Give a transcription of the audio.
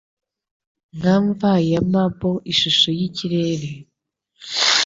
Nka mva ya marble ishusho yikirere,